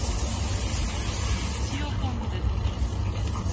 塩昆布。